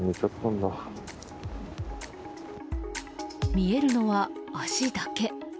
見えるのは足だけ。